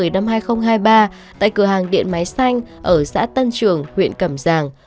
ngày một mươi tháng một mươi năm hai nghìn hai mươi ba tại cửa hàng điện máy xanh ở xã tân trường huyện cẩm giàng